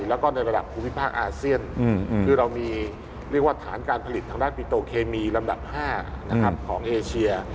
และในระดับภูมิภาคอาเซียนคือเรามีฐานการผลิตทางราชบิโตเคมีลำดับ๕ของเอเชีย